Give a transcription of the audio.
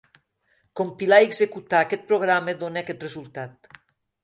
Compilar i executar aquest programa dona aquest resultat.